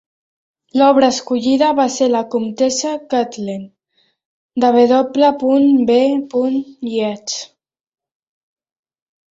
L'obra escollida va ser "La comtessa Kathleen" de W. B. Yeats.